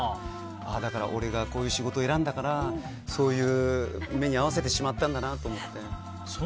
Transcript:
だから、俺がこういう仕事選んだからそういう目に遭わせてしまったんだなと思って。